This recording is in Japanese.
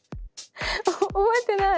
覚えてない！